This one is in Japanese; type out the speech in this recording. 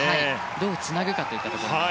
どうつなぐかといったところです。